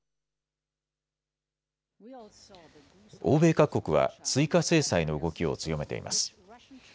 欧米各国は追加制裁の動きを強めています。